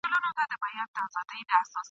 تعليم یافته مور د ماشومانو پرمختګ څاري.